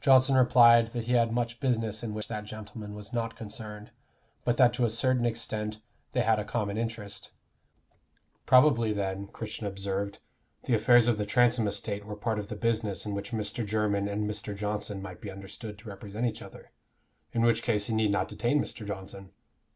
Johnson replied that he had much business in which that gentleman was not concerned, but that to a certain extent they had a common interest. Probably then, Christian observed, the affairs of the Transome estate were part of the business in which Mr. Jermyn and Mr. Johnson might be understood to represent each other, in which case he need not detain Mr. Johnson?